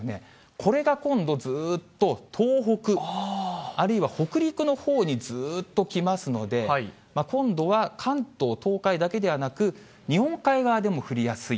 これが今度、ずーっと東北、あるいは北陸のほうにずーっと来ますので、今度は関東、東海だけではなく、日本海側でも降りやすい。